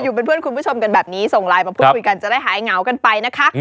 เป็นเพื่อนคุณผู้ชมกันแบบนี้ส่งไลน์มาพูดคุยกันจะได้หายเหงากันไปนะคะ